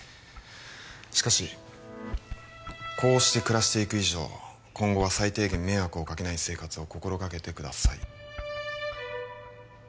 しかしこうして暮らしていく以上今後は最低限迷惑をかけない生活を心がけてください